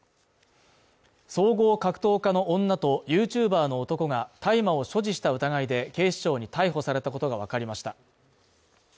総合格闘家の女とＹｏｕＴｕｂｅｒの男が大麻を所持した疑いで警視庁に逮捕されたことがわかりました。